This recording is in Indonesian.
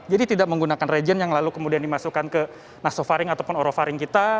jadi tidak menggunakan regen yang lalu kemudian dimasukkan ke nasofaring ataupun orovaring kita